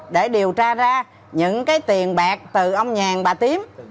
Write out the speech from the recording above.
để điều tra ra những cái tiền bạc từ ông nhàn bà tím